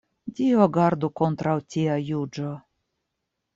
Dio gardu kontraŭ tia juĝo.